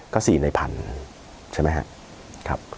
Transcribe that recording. ก็๔ใน๑๐๐๐ใช่ไหมครับ